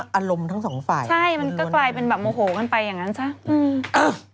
คุณหมอโดนกระช่าคุณหมอโดนกระช่า